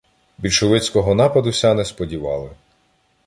Більшовицького нападу Ся не сподівали.